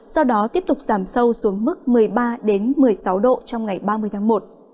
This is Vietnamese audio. sau đó tiếp tục giảm sâu xuống mức một mươi ba một mươi sáu độ trong ngày ba mươi tháng một